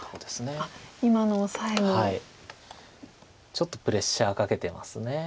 ちょっとプレッシャーかけてます。